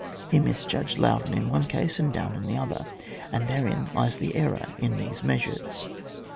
He misjudged Laudon in one case and Daun in the other, and therein lies the error in these measures.